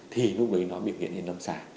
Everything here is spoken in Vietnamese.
thì lúc đấy nó biểu hiện lên lâm sả